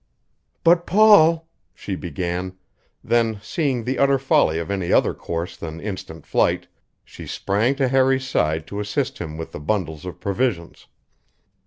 "But, Paul " she began; then, seeing the utter folly of any other course than instant flight, she sprang to Harry's side to assist him with the bundles of provisions.